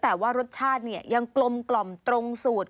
แต่ว่ารสชาติเนี่ยยังกลมกล่อมตรงสูตร